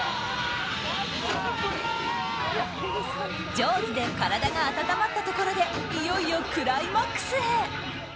ジョーズで体が温まったところでいよいよクライマックスへ。